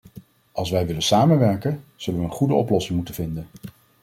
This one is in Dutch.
Als wij willen samenwerken, zullen we een goede oplossing moeten vinden.